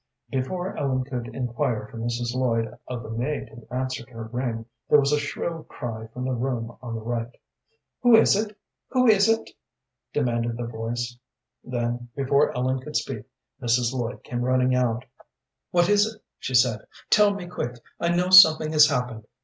Before Ellen could inquire for Mrs. Lloyd of the maid who answered her ring there was a shrill cry from the room on the right. "Who is it? Who is it?" demanded the voice. Then, before Ellen could speak, Mrs. Lloyd came running out. "What is it?" she said. "Tell me quick. I know something has happened.